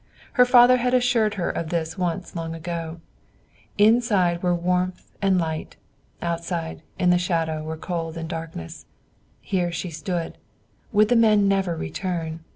Her father had assured her of this once long ago. Inside were warmth and light; outside, in the shadow, were cold and darkness. Here she stood. Would the man never return?